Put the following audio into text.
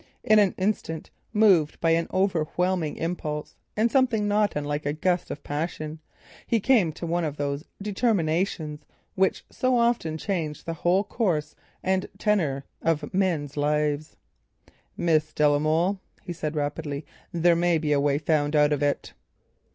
In an instant, moved by an overwhelming impulse, and something not unlike a gust of passion, he came to one of those determinations which so often change the whole course and tenour of men's lives. "Miss de la Molle," he said rapidly, "there may be a way found out of it."